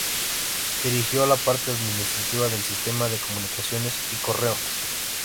Dirigió la parte administrativa del sistema de comunicaciones y correos.